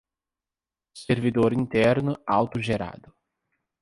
Servidor interno autogerado